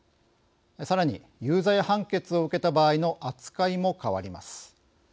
さらに、有罪判決を受けた場合の扱いも変わります。